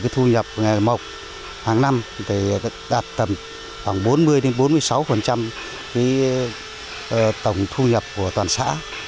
thu nhập mộc hàng năm đạt tầm khoảng bốn mươi bốn mươi sáu tổng thu nhập của toàn xã